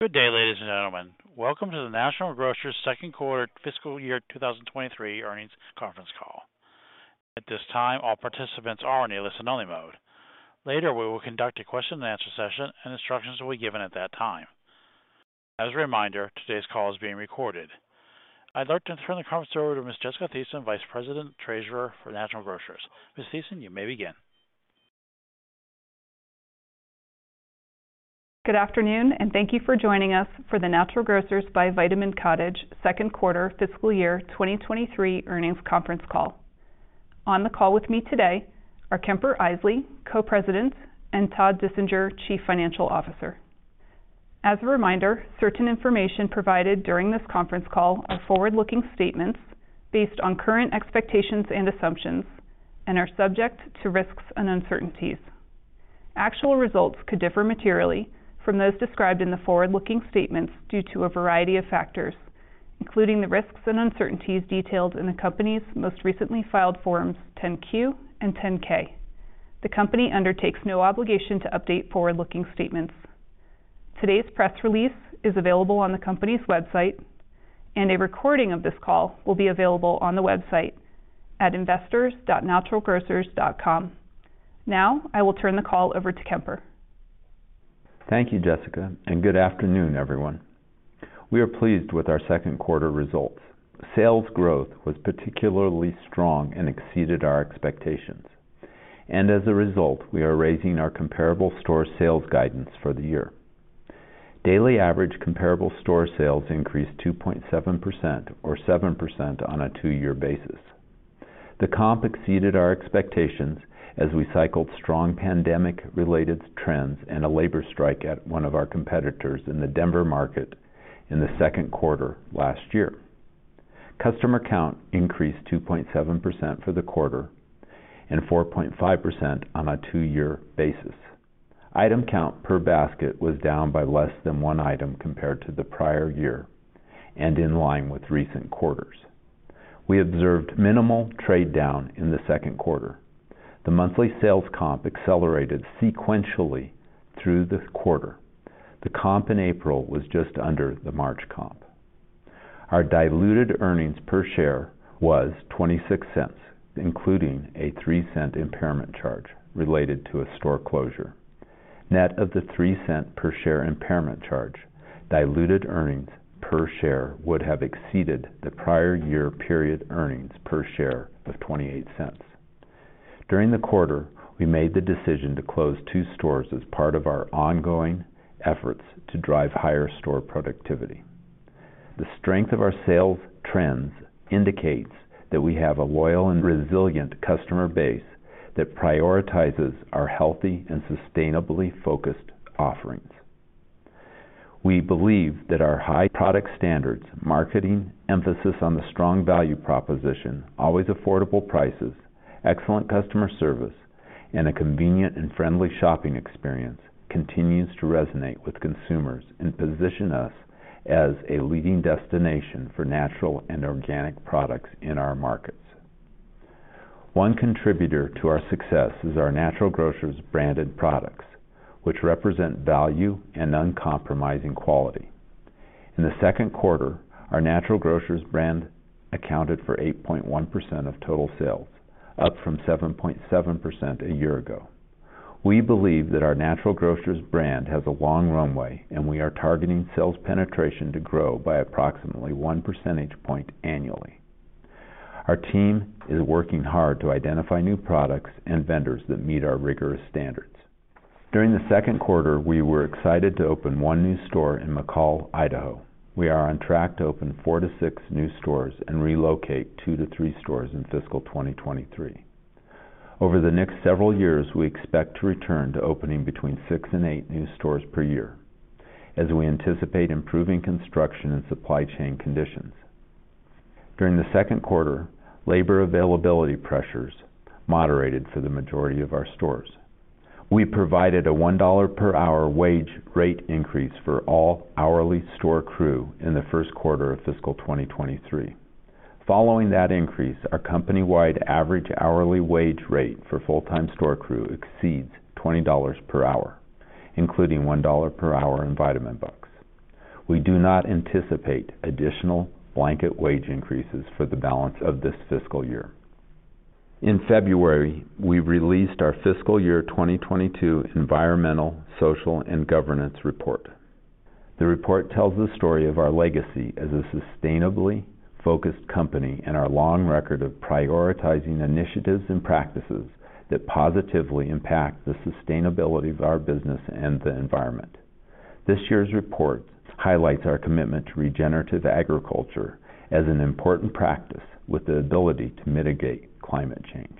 Good day, ladies and gentlemen. Welcome to the Natural Grocers second quarter fiscal year 2023 earnings conference call. At this time, all participants are in a listen only mode. Later, we will conduct a question and answer session and instructions will be given at that time. As a reminder, today's call is being recorded. I'd like to turn the conference over to Ms. Jessica Thiessen, Vice President, Treasurer for Natural Grocers. Ms. Thiessen, you may begin. Good afternoon, and thank you for joining us for the Natural Grocers by Vitamin Cottage 2nd quarter fiscal year 2023 earnings conference call. On the call with me today are Kemper Isely, Co-Presidents, and Todd Dissinger, Chief Financial Officer. As a reminder, certain information provided during this conference call are forward-looking statements based on current expectations and assumptions and are subject to risks and uncertainties. Actual results could differ materially from those described in the forward-looking statements due to a variety of factors, including the risks and uncertainties detailed in the company's most recently filed Form 10-Q and Form 10-K. The company undertakes no obligation to update forward-looking statements. Today's press release is available on the company's website, and a recording of this call will be available on the website at investors.naturalgrocers.com. I will turn the call over to Kemper. Thank you, Jessica, and good afternoon, everyone. We are pleased with our second quarter results. Sales growth was particularly strong and exceeded our expectations. As a result, we are raising our comparable store sales guidance for the year. Daily average comparable store sales increased 2.7% or 7% on a two-year basis. The comp exceeded our expectations as we cycled strong pandemic related trends and a labor strike at one of our competitors in the Denver market in the second quarter last year. Customer count increased 2.7% for the quarter and 4.5% on a two-year basis. Item count per basket was down by less than one item compared to the prior year and in line with recent quarters. We observed minimal trade down in the second quarter. The monthly sales comp accelerated sequentially through the quarter. The comp in April was just under the March comp. Our diluted earnings per share was $0.26, including a $0.03 impairment charge related to a store closure. Net of the $0.03 per share impairment charge, diluted earnings per share would have exceeded the prior year period earnings per share of $0.28. During the quarter, we made the decision to close two stores as part of our ongoing efforts to drive higher store productivity. The strength of our sales trends indicates that we have a loyal and resilient customer base that prioritizes our healthy and sustainably focused offerings. We believe that our high product standards, marketing, emphasis on the strong value proposition, always affordable prices, excellent customer service, and a convenient and friendly shopping experience continues to resonate with consumers and position us as a leading destination for natural and organic products in our markets. One contributor to our success is our Natural Grocers branded products, which represent value and uncompromising quality. In the second quarter, our Natural Grocers Brand accounted for 8.1% of total sales, up from 7.7% a year ago. We believe that our Natural Grocers Brand has a long runway, and we are targeting sales penetration to grow by approximately 1 percentage point annually. Our team is working hard to identify new products and vendors that meet our rigorous standards. During the second quarter, we were excited to open 1 new store in McCall, Idaho. We are on track to open four to six new stores and relocate two to three stores in fiscal 2023. Over the next several years, we expect to return to opening between 6 and 8 new stores per year as we anticipate improving construction and supply chain conditions. During the second quarter, labor availability pressures moderated for the majority of our stores. We provided a $1 per hour wage rate increase for all hourly store crew in the first quarter of fiscal 2023. Following that increase, our company-wide average hourly wage rate for full-time store crew exceeds $20 per hour, including $1 per hour in Vitamin Bucks. We do not anticipate additional blanket wage increases for the balance of this fiscal year. In February, we released our fiscal year 2022 environmental, social, and governance report. The report tells the story of our legacy as a sustainably focused company and our long record of prioritizing initiatives and practices that positively impact the sustainability of our business and the environment. This year's report highlights our commitment to regenerative agriculture as an important practice with the ability to mitigate climate change.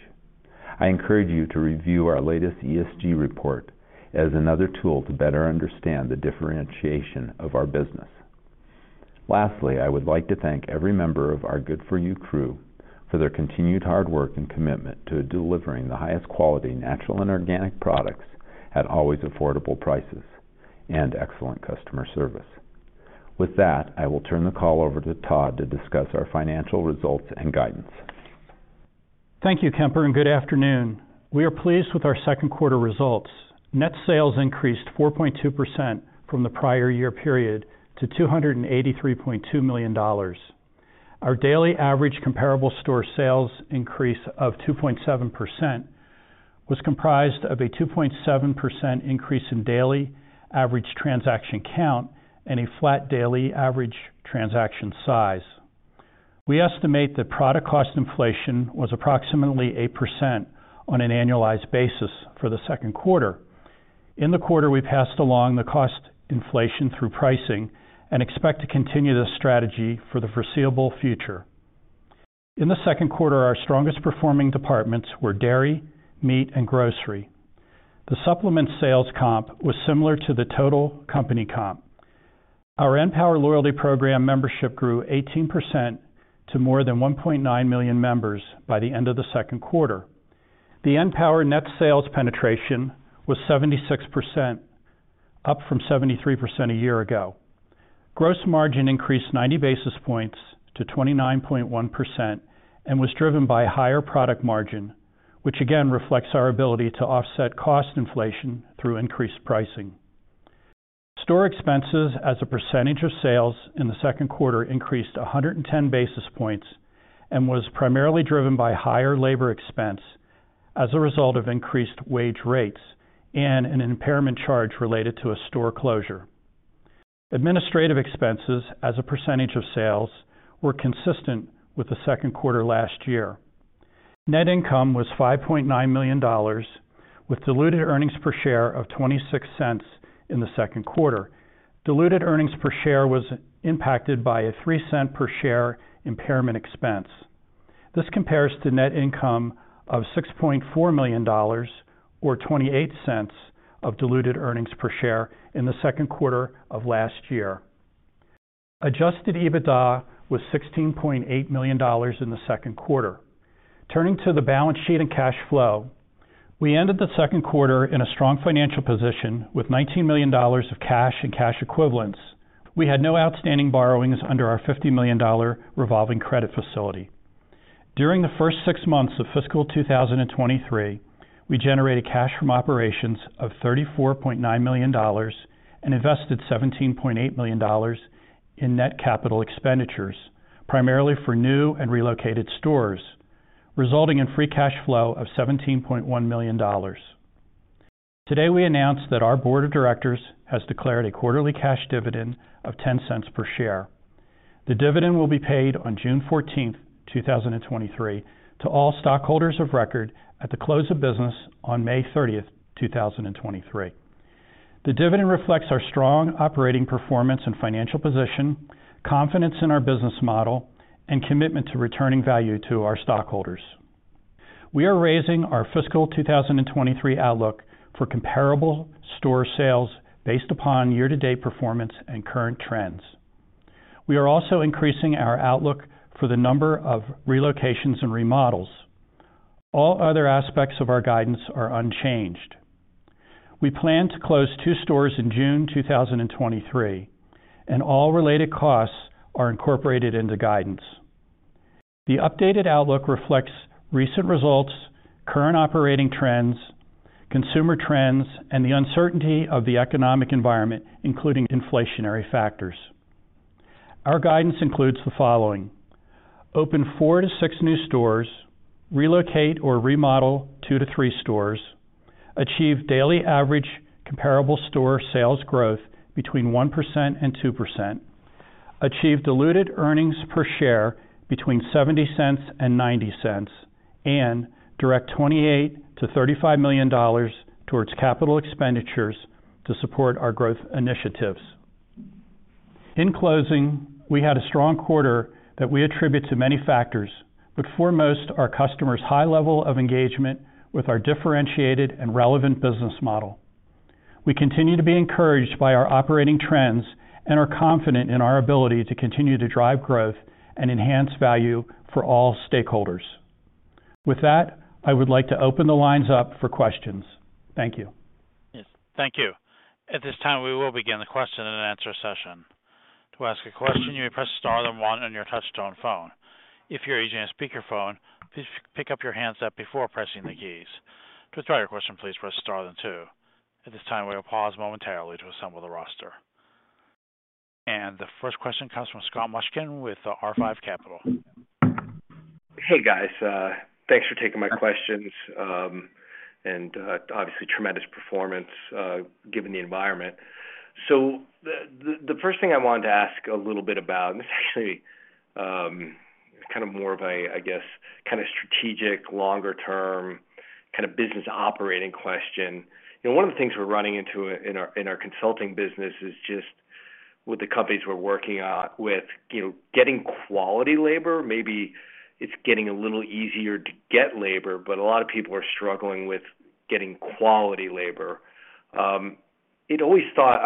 I encourage you to review our latest ESG report as another tool to better understand the differentiation of our business. I would like to thank every member of our Good For You Crew for their continued hard work and commitment to delivering the highest quality natural and organic products at always affordable prices and excellent customer service. I will turn the call over to Todd to discuss our financial results and guidance. Thank you, Kemper Isely, and good afternoon. We are pleased with our second quarter results. Net sales increased 4.2% from the prior year period to $283.2 million. Our daily average comparable store sales increase of 2.7% was comprised of a 2.7% increase in daily average transaction count and a flat daily average transaction size. We estimate that product cost inflation was approximately 8% on an annualized basis for the second quarter. In the quarter, we passed along the cost inflation through pricing and expect to continue this strategy for the foreseeable future. In the second quarter, our strongest performing departments were dairy, meat, and grocery. The supplement sales comp was similar to the total company comp. Our Empower Loyalty Program membership grew 18% to more than 1.9 million members by the end of the second quarter. The {N}power net sales penetration was 76%, up from 73% a year ago. Gross margin increased 90 basis points to 29.1% and was driven by higher product margin, which again reflects our ability to offset cost inflation through increased pricing. Store expenses as a percentage of sales in the second quarter increased 110 basis points and was primarily driven by higher labor expense as a result of increased wage rates and an impairment charge related to a store closure. Administrative expenses as a percentage of sales were consistent with the second quarter last year. Net income was $5.9 million, with diluted earnings per share of $0.26 in the second quarter. Diluted earnings per share was impacted by a $0.03 per share impairment expense. This compares to net income of $6.4 million or $0.28 of diluted earnings per share in the second quarter of last year. Adjusted EBITDA was $16.8 million in the second quarter. Turning to the balance sheet and cash flow, we ended the second quarter in a strong financial position with $19 million of cash and cash equivalents. We had no outstanding borrowings under our $50 million revolving credit facility. During the first six months of fiscal 2023, we generated cash from operations of $34.9 million and invested $17.8 million in net capital expenditures, primarily for new and relocated stores, resulting in free cash flow of $17.1 million. Today, we announced that our board of directors has declared a quarterly cash dividend of $0.10 per share. The dividend will be paid on June 14, 2023 to all stockholders of record at the close of business on May 30, 2023. The dividend reflects our strong operating performance and financial position, confidence in our business model, and commitment to returning value to our stockholders. We are raising our fiscal 2023 outlook for comparable store sales based upon year-to-date performance and current trends. We are also increasing our outlook for the number of relocations and remodels. All other aspects of our guidance are unchanged. We plan to close two stores in June 2023. All related costs are incorporated into guidance. The updated outlook reflects recent results, current operating trends, consumer trends, and the uncertainty of the economic environment, including inflationary factors. Our guidance includes the following. Open four to six new stores, relocate or remodel two to three stores, achieve daily average comparable store sales growth between 1% and 2%, achieve diluted earnings per share between $0.70 and $0.90, and direct $28 million-$35 million towards capital expenditures to support our growth initiatives. In closing, we had a strong quarter that we attribute to many factors, but foremost, our customers' high level of engagement with our differentiated and relevant business model. We continue to be encouraged by our operating trends and are confident in our ability to continue to drive growth and enhance value for all stakeholders. With that, I would like to open the lines up for questions. Thank you. Yes, thank you. At this time, we will begin the question and answer session. To ask a question, you may press star then one on your touchtone phone. If you're using a speakerphone, please pick up your handset before pressing the keys. To withdraw your question, please press star then two. At this time, we will pause momentarily to assemble the roster. The first question comes from Scott Mushkin with R5 Capital. Hey, guys. thanks for taking my questions. Obviously tremendous performance, given the environment. The first thing I wanted to ask a little bit about, and this is actually, kind of more of a, I guess, kind of strategic, longer term, kind of business operating question. You know, one of the things we're running into in our consulting business is just with the companies we're working on with, you know, getting quality labor. Maybe it's getting a little easier to get labor, but a lot of people are struggling with getting quality labor. I always thought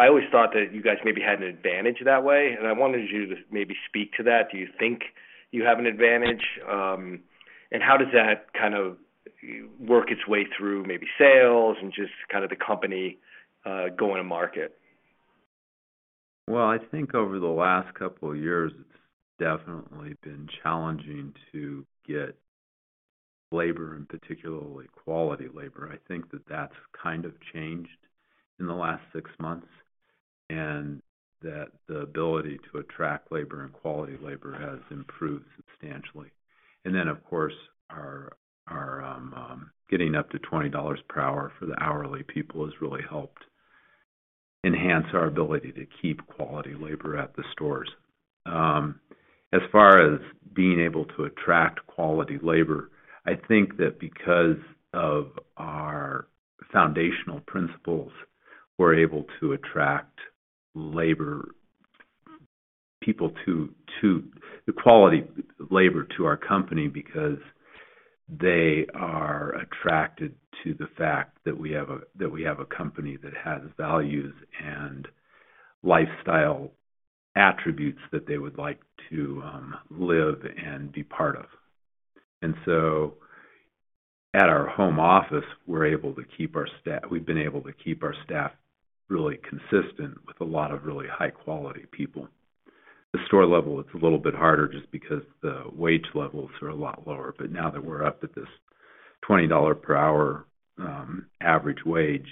that you guys maybe had an advantage that way, and I wanted you to maybe speak to that. Do you think you have an advantage? How does that kind of work its way through maybe sales and just kind of the company, going to market? Well, I think over the last couple of years, it's definitely been challenging to get labor, and particularly quality labor. I think that that's kind of changed in the last six months, that the ability to attract labor and quality labor has improved substantially. Of course, our getting up to $20 per hour for the hourly people has really helped enhance our ability to keep quality labor at the stores. As far as being able to attract quality labor, I think that because of our foundational principles, we're able to attract labor people to the quality labor to our company because they are attracted to the fact that we have a company that has values and lifestyle attributes that they would like to live and be part of. At our home office, we're able to keep our staff really consistent with a lot of really high-quality people. The store level, it's a little bit harder just because the wage levels are a lot lower. Now that we're up at this $20 per hour average wage,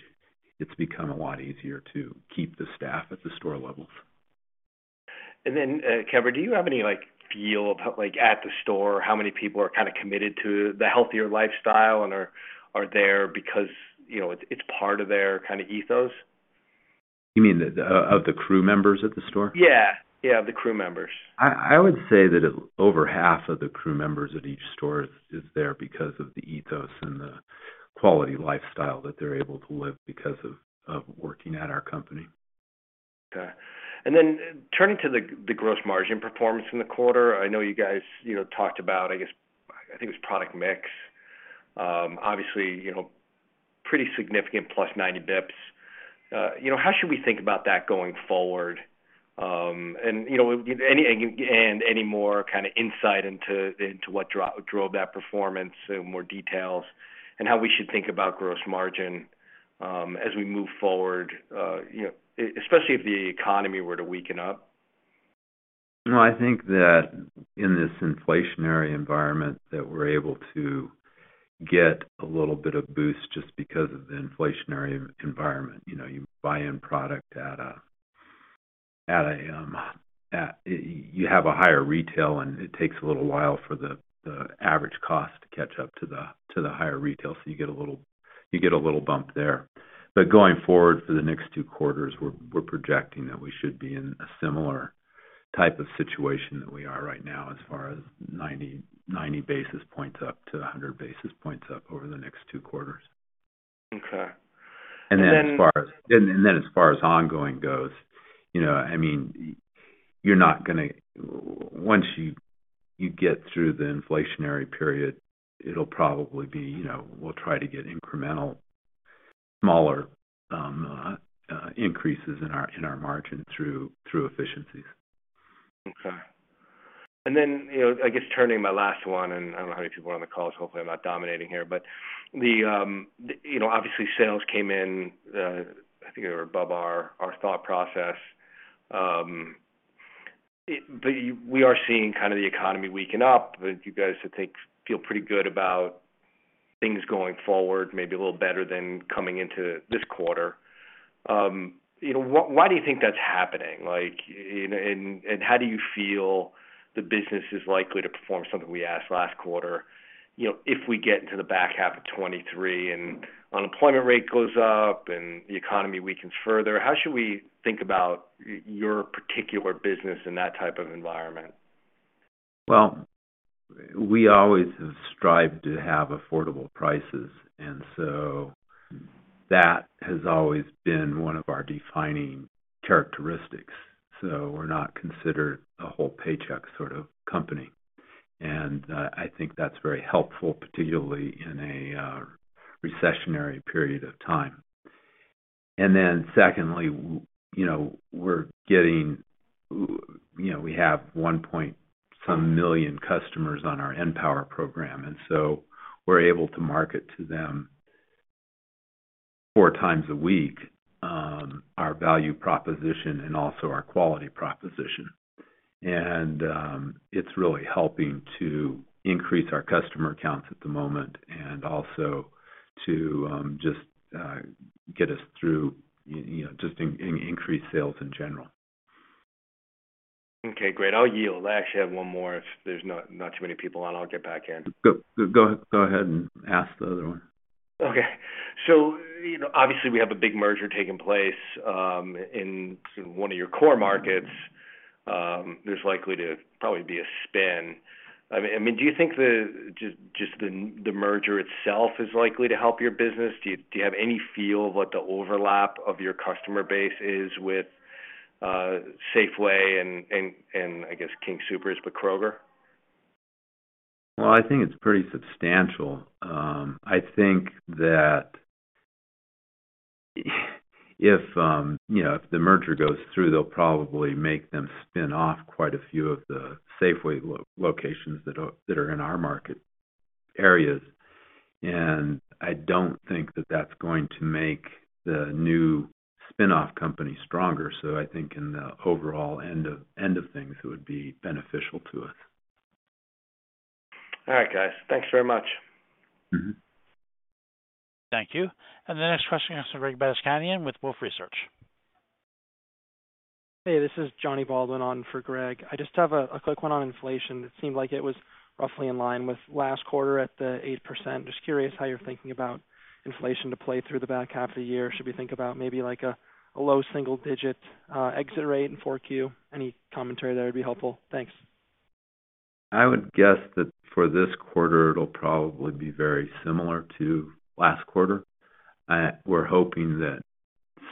it's become a lot easier to keep the staff at the store levels. Kevin, do you have any, like, feel about, like at the store, how many people are kind of committed to the healthier lifestyle and are there because, you know, it's part of their kind of ethos? You mean the, of the crew members at the store? Yeah. Yeah, the crew members. I would say that over half of the crew members at each store is there because of the ethos and the quality lifestyle that they're able to live because of working at our company. Okay. Then turning to the gross margin performance in the quarter. I know you guys, you know, talked about, I guess, I think it was product mix. Obviously, you know, pretty significant plus 90 basis points. You know, how should we think about that going forward? You know, any more kind of insight into what drove that performance, more details, and how we should think about gross margin, as we move forward, you know, especially if the economy were to weaken up. No, I think that in this inflationary environment that we're able to get a little bit of boost just because of the inflationary environment. You know, you buy in product at a, at a, you have a higher retail, and it takes a little while for the average cost to catch up to the, to the higher retail, so you get a little bump there. Going forward, for the next 2 quarters, we're projecting that we should be in a similar type of situation that we are right now as far as 90 basis points up to 100 basis points up over the next 2 quarters. Okay. then- As far as ongoing goes, you know, I mean, you're not gonna. Once you get through the inflationary period, it'll probably be, you know, we'll try to get incremental, smaller increases in our margin through efficiencies. Okay. You know, I guess turning my last one, and I don't know how many people are on the call, so hopefully I'm not dominating here. The, you know, obviously, sales came in, I think they were above our thought process. We are seeing kind of the economy weaken up, but you guys, I think, feel pretty good about things going forward, maybe a little better than coming into this quarter. You know, why do you think that's happening? Like, and how do you feel the business is likely to perform? Something we asked last quarter. You know, if we get into the back half of 2023, and unemployment rate goes up and the economy weakens further, how should we think about your particular business in that type of environment? Well, we always have strived to have affordable prices, that has always been one of our defining characteristics. We're not considered a whole paycheck sort of company. I think that's very helpful, particularly in a recessionary period of time. Secondly, you know, we're getting... You know, we have one point some million customers on our {N}power program, we're able to market to them four times a week, our value proposition and also our quality proposition. It's really helping to increase our customer counts at the moment and also to just get us through, you know, just increased sales in general. Okay, great. I'll yield. I actually have one more. If there's not too many people on, I'll get back in. Go ahead and ask the other one. Okay. you know, obviously we have a big merger taking place, in one of your core markets. There's likely to probably be a spin. I mean, do you think the, just the merger itself is likely to help your business? Do you have any feel of what the overlap of your customer base is with, Safeway and I guess King Soopers with Kroger? Well, I think it's pretty substantial. I think that if, you know, if the merger goes through, they'll probably make them spin off quite a few of the Safeway locations that are in our market areas. I don't think that that's going to make the new spin-off company stronger. I think in the overall end of things, it would be beneficial to us. All right, guys. Thanks very much. Mm-hmm. Thank you. The next question comes from Greg Badishkanian with Wolfe Research. Hey, this is Jonathan Baldwin on for Greg. I just have a quick one on inflation. It seemed like it was roughly in line with last quarter at the 8%. Curious how you're thinking about inflation to play through the back half of the year. Should we think about maybe like a low single digit exit rate in 4Q? Any commentary there would be helpful. Thanks. I would guess that for this quarter, it'll probably be very similar to last quarter. We're hoping that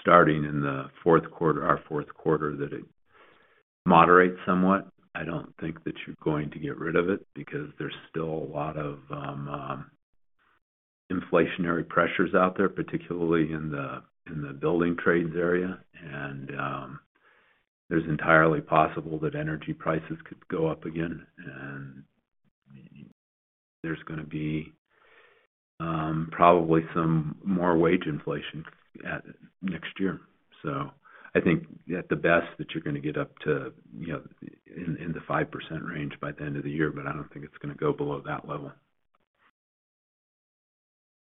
starting in the fourth quarter, our fourth quarter, that it moderates somewhat. I don't think that you're going to get rid of it because there's still a lot of inflationary pressures out there, particularly in the, in the building trades area. There's entirely possible that energy prices could go up again. There's gonna be probably some more wage inflation at next year. I think at the best that you're gonna get up to, you know, in the 5% range by the end of the year, but I don't think it's gonna go below that level.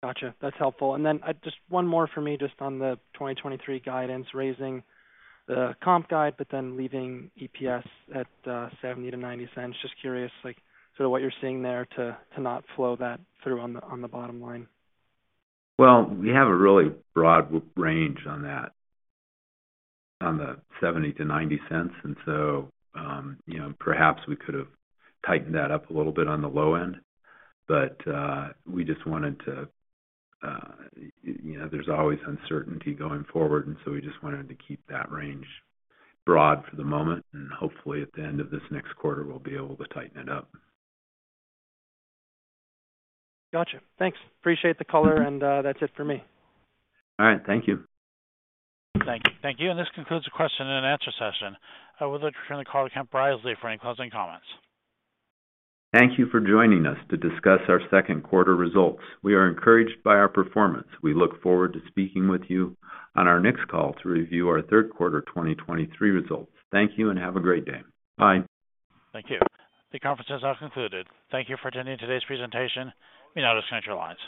Gotcha. That's helpful. Just one more for me, just on the 2023 guidance, raising the comp guide, leaving EPS at $0.70-$0.90. Just curious, like, sort of what you're seeing there to not flow that through on the bottom line. We have a really broad range on that, on the $0.70-$0.90. You know, perhaps we could have tightened that up a little bit on the low end. We just wanted to, you know, there's always uncertainty going forward, we just wanted to keep that range broad for the moment, and hopefully at the end of this next quarter, we'll be able to tighten it up. Gotcha. Thanks. Appreciate the color, and, that's it for me. All right, thank you. Thank you. Thank you. This concludes the question and answer session. I would like to turn the call to Kemper Isely for any closing comments. Thank you for joining us to discuss our second quarter results. We are encouraged by our performance. We look forward to speaking with you on our next call to review our third quarter 2023 results. Thank you and have a great day. Bye. Thank you. The conference has now concluded. Thank you for attending today's presentation for United Central Lines.